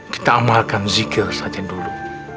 kita amalkan zikir saja dulu